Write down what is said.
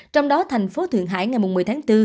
trong đó thành phố thượng hải ngày một mươi tháng bốn